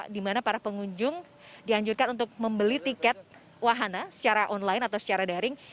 di mana para pengunjung dianjurkan untuk membeli tiket wahana secara online atau secara daring